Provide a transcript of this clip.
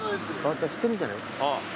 じゃあ知ってるんじゃない？